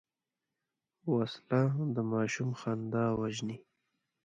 وسله د ماشوم خندا وژني